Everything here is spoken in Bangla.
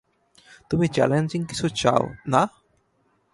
তুমি চ্যালেঞ্জিং কিছু চাও, না?